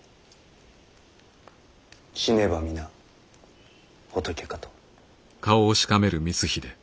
死ねば皆仏かと。